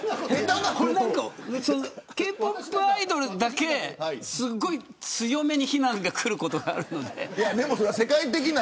Ｋ‐ＰＯＰアイドルだけすごい強めに非難がくることがあるので。